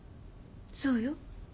そうよ